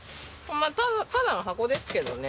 まあただの箱ですけどね。